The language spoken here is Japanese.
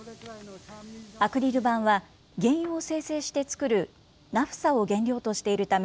アクリル板は、原油を精製して作るナフサを原料としているため、